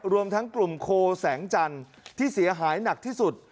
รวมทั้งกลุ่มโคแสงจันทร์ที่เสียหายหนักที่สุด